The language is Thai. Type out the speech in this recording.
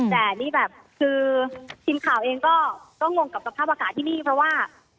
แต่นี่แบบคือทีมข่าวเองก็งงกับสภาพอากาศที่นี่เพราะว่า